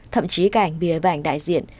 thậm chí cả ảnh bìa và ảnh đại diện